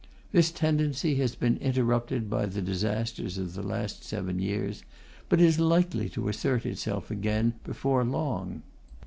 This tendency has been interrupted by the disasters of the last seven years, but is likely to assert itself again before long.